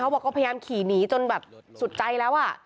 เขาบอกว่าเขาพยายามขี่หนีจนแบบสุดใจแล้วอ่ะ